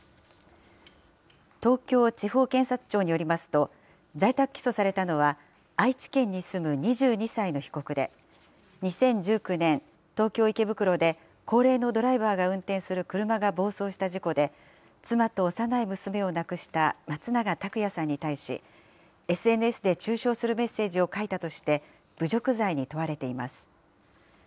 東京地方検察庁によりますと、在宅起訴されたのは、愛知県に住む２２歳の被告で、２０１９年、東京・池袋で、高齢のドライバーが運転する車が暴走した事故で、妻と幼い娘を亡くした松永拓也さんに対し、ＳＮＳで中傷するメッセージを書いたとして、侮辱罪に問われています。